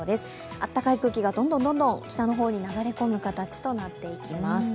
あったかい空気がどんどん北の方に流れ込む形となっていきます。